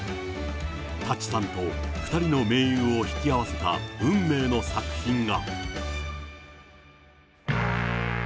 舘さんと２人の名優を引き合わせた運命の作品が。